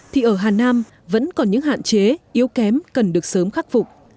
thì ở hà nam vẫn còn những hạn chế yếu kém cần được sớm khắc phục